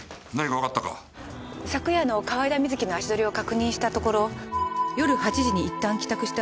昨夜の河井田瑞希の足取りを確認したところ夜８時にいったん帰宅した